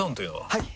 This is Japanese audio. はい！